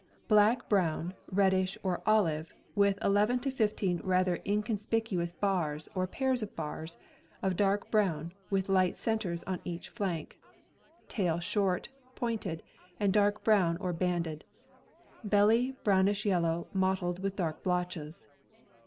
Back brown, reddish, or olive, with 11 to 15 rather inconspicuous bars, or pairs of bars, of dark brown, with light centers on each flank. Tail short, pointed, and dark brown or banded. Belly brownish yellow mottled with dark blotches.